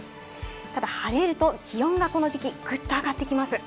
ただ晴れると気温がこの時期、ぐっと上がってきます。